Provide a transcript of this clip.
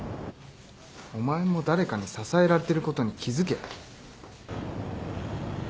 お前も誰かに支えられてることに気付け。